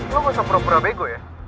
lo gak usah pura pura bego ya